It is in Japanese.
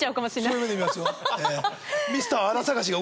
そういう目で見ますよ。